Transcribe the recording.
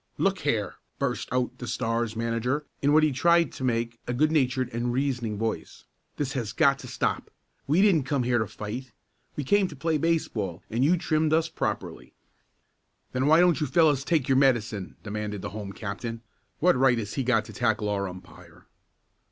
"Look here!" burst out the Stars' manager, in what he tried to make a good natured and reasoning voice, "this has got to stop. We didn't come here to fight, we came to play baseball and you trimmed us properly." "Then why don't you fellows take your medicine?" demanded the home captain. "What right has he got to tackle our umpire?"